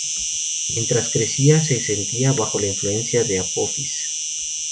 Mientras crecía se sentía bajo la influencia de Apophis.